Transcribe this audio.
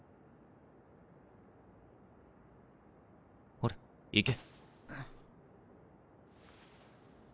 ほれ行け。